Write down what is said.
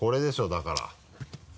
だから。